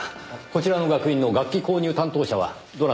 こちらの学院の楽器購入担当者はどなたでしょう？